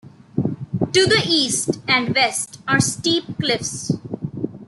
To the east and west are steep cliffs.